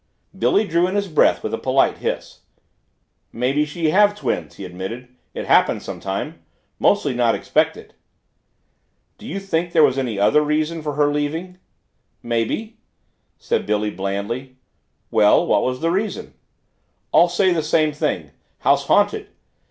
Billy drew in his breath with a polite hiss. "Maybe she have twins," he admitted. "It happen sometime. Mostly not expected." "Do you think there was any other reason for her leaving?" "Maybe," said Billy blandly. "Well, what was the reason?" "All say the same thing house haunted."